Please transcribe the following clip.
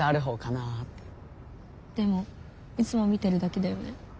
でもいつも見てるだけだよね。